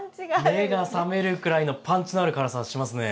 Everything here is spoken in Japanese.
目が覚めるくらいのパンチのある辛さがしますね。